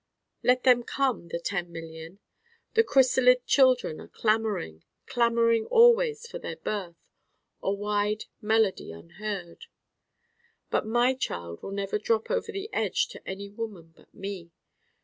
Let them come, the ten million. The chrysalid children are clamoring, clamoring always for their birth: a wide 'melody unheard.' But my Child will never drop over the edge to any woman but me.